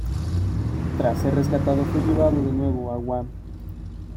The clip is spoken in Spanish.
Tras ser rescatado fue llevado de nuevo a Guam.